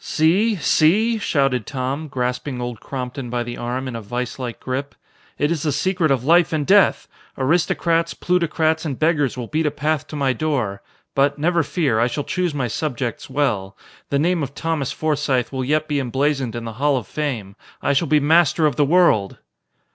"See? See?" shouted Tom, grasping Old Crompton by the arm in a viselike grip. "It is the secret of life and death! Aristocrats, plutocrats and beggars will beat a path to my door. But, never fear, I shall choose my subjects well. The name of Thomas Forsythe will yet be emblazoned in the Hall of Fame. I shall be master of the world!"